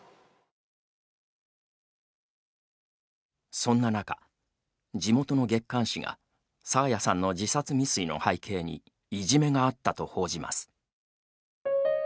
そんな中、地元の月刊誌が爽彩さんの自殺未遂の背景にいじめがあったと報じます。